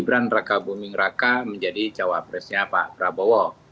gibran raka buming raka menjadi cawapresnya pak prabowo